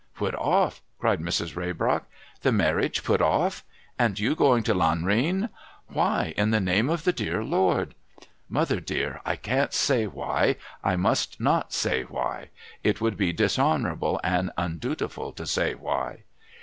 Tut off?' cried Mrs. Raybrock. 'The marriage put off? And you going to Lanrcan ! Why, in the name of the dear Lord ?'* Mother dear, I can't say why; I must not say why. It would be dishonoural)le and undutifiil to say why.'